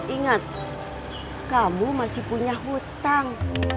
ingat kamu masih punya hutang